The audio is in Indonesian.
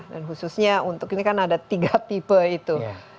dan khususnya untuk ini kan ada tiga tipe itu